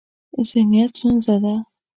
ذهنیت ستونزه ده.